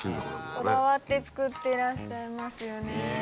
こだわってつくってらっしゃいますよね。